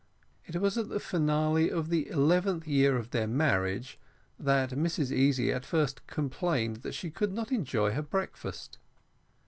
It was at the finale of the eleventh year of their marriage that Mrs Easy at first complained that she could not enjoy her breakfast.